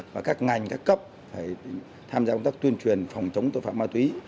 và các ngành các cấp phải tham gia công tác tuyên truyền phòng chống tội phạm ma túy